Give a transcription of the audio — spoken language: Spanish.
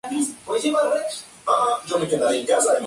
Javier Ramírez ha estado desde muy joven en el medio artístico.